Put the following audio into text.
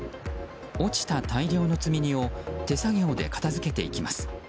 落ちた大量の積み荷を手作業で片づけていきます。